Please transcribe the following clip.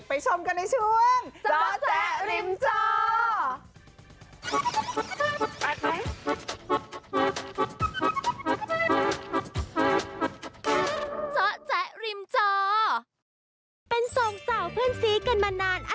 ไปชมกันในช่วง